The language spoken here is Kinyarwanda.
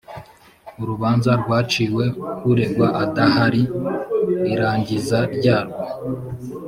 urubanza rwaciwe uregwa adahari irangiza ryarwo